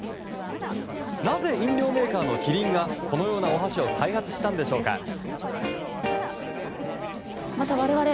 なぜ飲料メーカーのキリンがこのようなお箸を開発したんでしょうか。